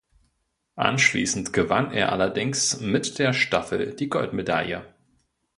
Anschließend gewann er allerdings mit der Staffel die Goldmedaille.